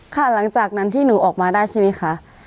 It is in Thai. หลังจากนั้นที่หนูออกมาได้ใช่ไหมคะ